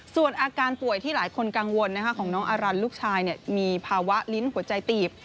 ส่วนอาการป่วยที่หลายคนกังวลของน้องอารันลูกชายมีภาวะลิ้นหัวใจตีบ